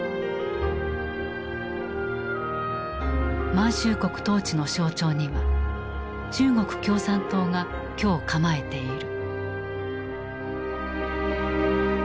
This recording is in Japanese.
満州国統治の象徴には中国共産党が居を構えている。